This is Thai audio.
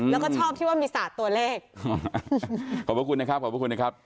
แล้วก็ชอบที่ว่ามีศาสตร์ตัวเลขขอบพระคุณนะครับขอบพระคุณนะครับ